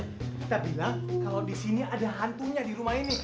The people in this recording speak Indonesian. kita bilang kalau di sini ada hantunya di rumah ini